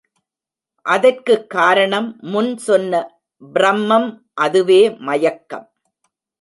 அதற்குக் காரணம் முன் சொன்ன ப்ரமம் அதுவே மயக்கம்.